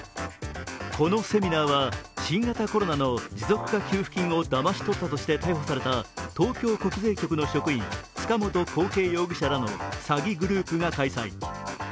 このセミナーは新型コロナの持続化給付金をだまし取ったとして逮捕された東京国税局の職員塚本晃平容疑者らの詐欺グループが開催。